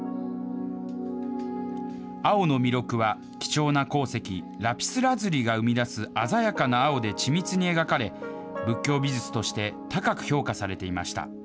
青の弥勒は、貴重な鉱石、ラピスラズリが生み出す鮮やかな青で緻密に描かれ、仏教美術として高く評価されていました。